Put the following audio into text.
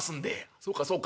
「そうかそうか。